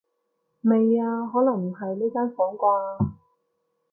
未啊，可能唔喺呢間房啩